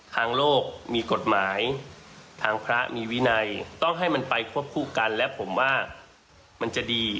ทางโลกมีกฎหมายทางพระมีวินัยต้องให้มันไปควบคู่กันและผมว่ามันจะดี